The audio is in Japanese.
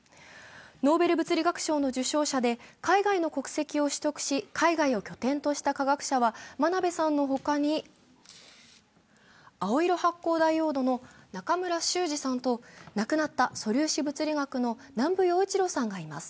ノーベル物理学賞の受賞者で海外の国籍を取得し、海外を拠点とした科学者は真鍋さんの他に青色発光ダイオードの中村修二さんと亡くなった素粒子物理学の南部陽一郎さんがいます。